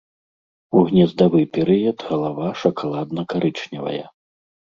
У гнездавы перыяд галава шакаладна-карычневая.